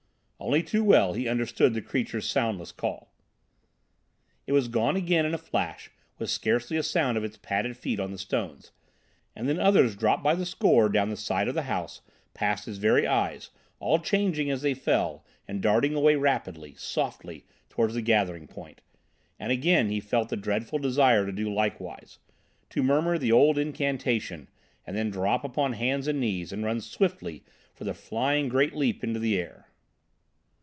Only too well he understood the creature's soundless call. It was gone again in a flash with scarcely a sound of its padded feet on the stones, and then others dropped by the score down the side of the house, past his very eyes, all changing as they fell and darting away rapidly, softly, towards the gathering point. And again he felt the dreadful desire to do likewise; to murmur the old incantation, and then drop upon hands and knees and run swiftly for the great flying leap into the air.